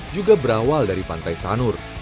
juga berawal dari pantai sanur